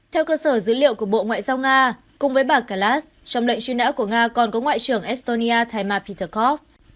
theo cơ sở dữ liệu của bộ ngoại giao nga cùng với bạc kayakalas trong lệnh truy nã của nga còn có ngoại trưởng estonia taima peterkov